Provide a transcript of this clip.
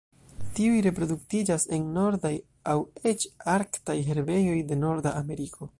Tiuj reproduktiĝas en nordaj aŭ eĉ arktaj herbejoj de Norda Ameriko.